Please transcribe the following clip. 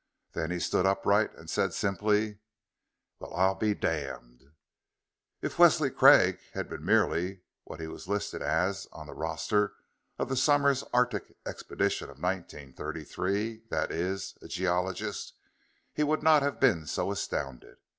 Then he stood upright, and said, simply: "Well, I'll be damned!" If Wesley Craig had been merely what he was listed as on the roster of the Somers Arctic Expedition of 1933 that is, a geologist he would not have been so astounded.